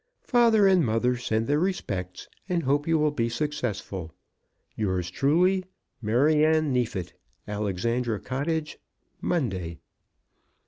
Father and mother send their respects, and hope you will be successful. Yours truly, MARYANNE NEEFIT. Alexandra Cottage, Monday.